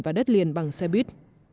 vào đất liền bằng xe buýt